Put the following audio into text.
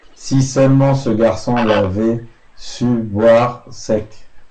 Si seulement ce garçon-là avait su boire sec!